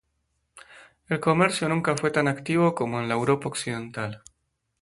El comercio nunca fue tan activo como en la Europa Occidental.